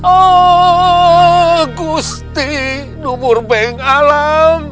agusti nubur beng alam